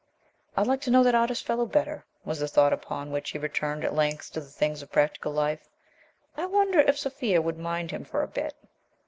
"I'd like to know that artist fellow better," was the thought upon which he returned at length to the things of practical life. "I wonder if Sophia would mind him for a bit